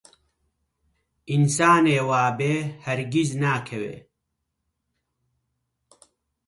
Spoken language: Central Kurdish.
ئینسانێ وابێ هەرگیز ناکەوێ